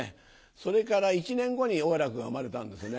それから１年後に王楽が生まれたんですね。